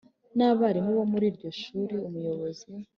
N abarimu bo muri iryo shuri umuyobozi